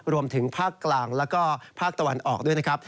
รวมถึงภาคกลางแล้วก็ภาคตะวันออกด้วยนะครับ